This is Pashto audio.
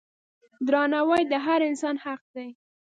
درناوی د هر انسان حق دی.